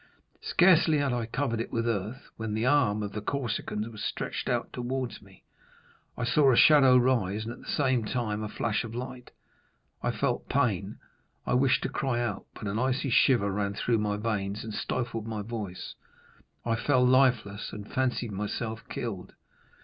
Scarcely had I covered it with earth, when the arm of the Corsican was stretched towards me; I saw a shadow rise, and, at the same time, a flash of light. I felt pain; I wished to cry out, but an icy shiver ran through my veins and stifled my voice; I fell lifeless, and fancied myself killed.